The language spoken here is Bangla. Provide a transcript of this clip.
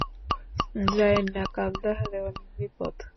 যাইয়েন না, কান্দাহারে অনেক বিপদ।